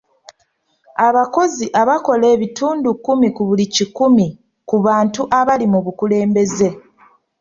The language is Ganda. Abakozi abakola ebitundu kkumi ku buli kikumi ku bantu abali mu bukulembeze.